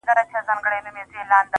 ورته شعرونه وايم.